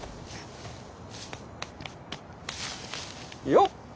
よっ！